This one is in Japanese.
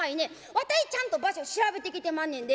わたいちゃんと場所調べてきてまんねんで。